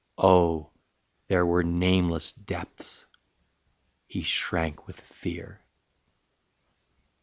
Oh, there were nameless depths: he shrank with fear.